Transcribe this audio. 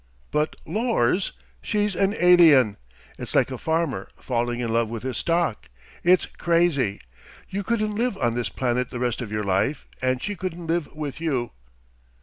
"But, Lors! She's an alien! It's like a farmer, falling in love with his stock! It's crazy! You couldn't live on this planet the rest of your life, and she couldn't live with you!"